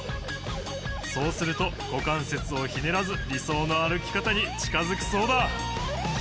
そうすると股関節をひねらず理想の歩き方に近づくそうだ。